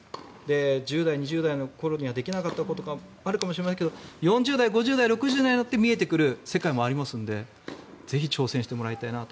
１０代、２０代の頃にはできなかったこともあるかもしれないけど４０代、５０代、６０代になって見えてくる世界もありますのでぜひ挑戦してもらいたいなと。